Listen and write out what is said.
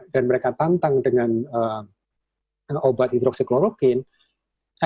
dan mereka tantang dengan obat hidroksikloroquine